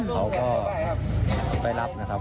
เขาก็ไปรับนะครับ